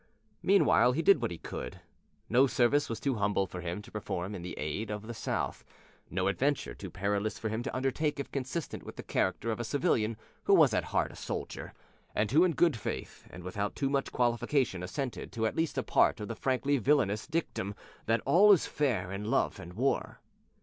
Meanwhile he did what he could. No service was too humble for him to perform in aid of the South, no adventure too perilous for him to undertake if consistent with the character of a civilian who was at heart a soldier, and who in good faith and without too much qualification assented to at least a part of the frankly villainous dictum that all is fair in love and war.